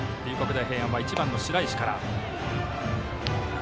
大平安は打順、１番の白石から。